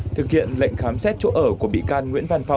thực hiện lệnh khám xét chỗ ở của bị can nguyễn văn phong